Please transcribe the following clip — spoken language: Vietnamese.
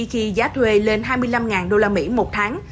khi giá thuê lên hai mươi năm usd một tháng